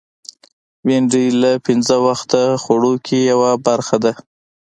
بېنډۍ له پینځه وخته خوړو کې یوه برخه ده